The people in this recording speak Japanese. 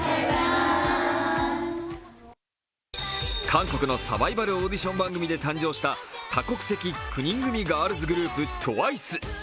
韓国のサバイバルオーディション番組で誕生した多国籍９人組ガールズグループＴＷＩＣＥ。